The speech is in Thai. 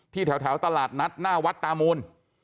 แถวตลาดนัดหน้าวัดตามูน